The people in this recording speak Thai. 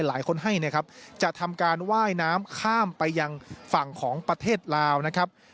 หลายคนให้นะครับจะทำการว่ายน้ำข้ามไปยังฝั่งของประเทศลาวนะครับ